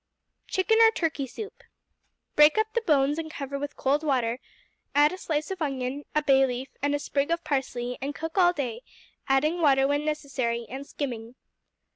Chicken or Turkey Soup Break up the bones and cover with cold water; add a slice of onion, a bay leaf, and a sprig of parsley, and cook all day, adding water when necessary, and skimming.